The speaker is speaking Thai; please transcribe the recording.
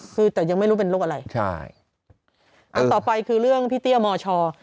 คือแต่ยังไม่รู้เป็นโรคอะไรใช่อันต่อไปคือเรื่องพี่เตี้ยมช